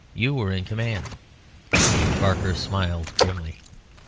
You were in command." Barker smiled grimly.